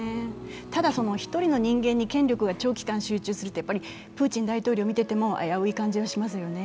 ただ、１人の人間に権力が長期間集中すると、プーチン大統領を見ていても危うい感じはしますよね。